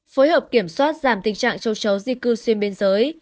phối hợp kiểm soát giảm tình trạng châu chấu di cư xuyên biên giới